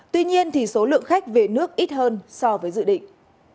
tuy nhiên số lượng khách về nước ít hơn so với dự định